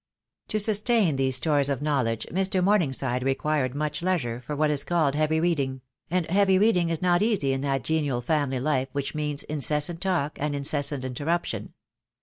To sustain these stores of knowledge Mr. Morningside required much leisure for what is called heavy reading; and heavy reading is not easy in that genial family life which means incessant talk and incessant interruption.